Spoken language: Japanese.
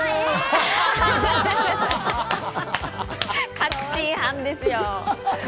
確信犯ですよ。